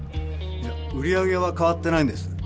いや売り上げはかわってないんです。